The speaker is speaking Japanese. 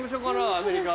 アメリカの。